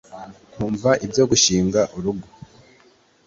nkumva ibyo gush i nga urugo